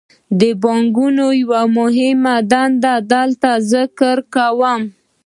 د بانکونو یوه مهمه دنده دلته ذکر کوو